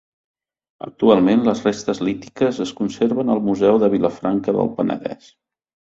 Actualment les restes lítiques es conserven al Museu de Vilafranca del Penedès.